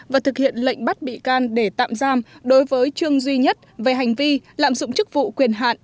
và thực hiện lệnh bắt bị can để tạm giam đối với trương duy nhất về hành vi lạm dụng chức vụ quyền hạn